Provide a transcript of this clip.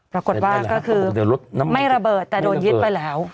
ปรากฏว่าก็คือไม่ระเบิดแต่โดนยึดไปแล้ว